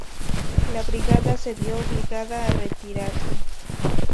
La brigada se vio obligada a retirarse.